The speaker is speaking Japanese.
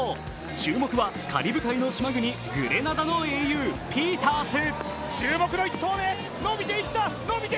注目はカリブ海の島国グレナダの英雄・ピータース。